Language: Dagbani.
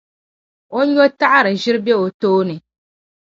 o nyɔtaɣiri-ʒira be o tooni.